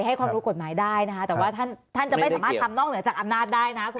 ให้ความรู้กฎหมายได้นะคะแต่ว่าท่านจะไม่สามารถทำนอกเหนือจากอำนาจได้นะ